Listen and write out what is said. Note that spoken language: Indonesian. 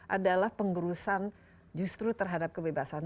adalah pengurusan justru terhadap kebebasan